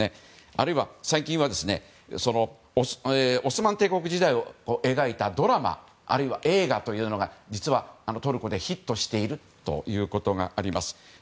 あるいは、最近はオスマン帝国時代を描いたドラマ、あるいは映画が実はトルコでヒットしているということがあります。